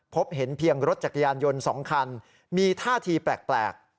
พบเห็นเพียงรถจักรยานยนต์๒คันมีท่าทีแปลก